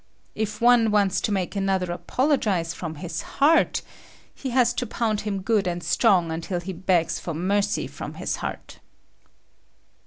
If one wants to make another apologize from his heart, he has to pound him good and strong until he begs for mercy from his heart.